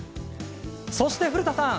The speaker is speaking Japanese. そして古田さん